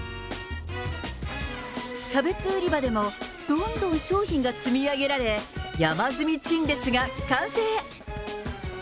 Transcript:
キャベツ売り場でもどんどん商品が積み上げられ、山積み陳列が完成。